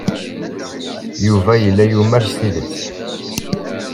Yuba yella yumar s tidet.